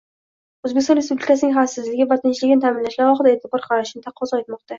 O‘zbekiston Respublikasining xavfsizligi va tinchligini ta’minlashga alohida e’tibor qaratishni taqozo etmoqda.